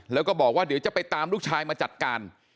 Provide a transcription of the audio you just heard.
แล้วก็บอกว่าเดี๋ยวจะไปตามลูกชายมาจัดการ